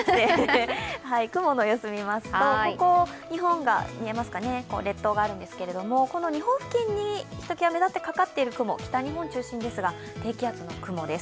雲の様子みますと、日本が列島があるんですけども、この日本付近にひときわ目立ってかかっている雲、北日本中心ですが、低気圧の雲です